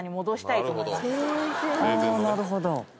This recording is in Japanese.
なるほど。